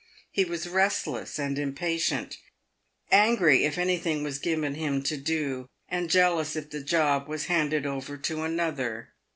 He was restless and impatient ; angry if anything was given him to do, and jealous if the job was handed over to another.